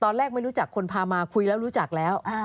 ไม่รู้จักคนพามาคุยแล้วรู้จักแล้ว